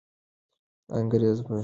انګریزان به تېښته کوله.